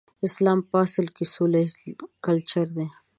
اسلام په اصل کې سوله ييز کلچر دی.